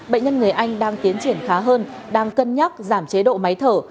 bệnh nhân người anh đang tiến triển khá hơn đang cân nhắc giảm chế độ máy thở